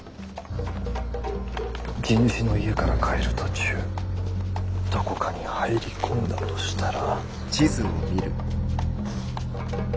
地主の家から帰る途中どこかに入り込んだとしたら。